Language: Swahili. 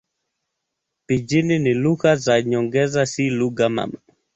Pijini ni lugha za nyongeza, si lugha mama.